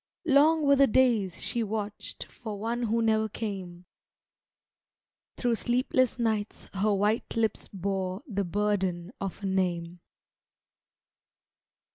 Long were the days she watched For one who never came; Through sleepless nights her white lips bore The burden of a name.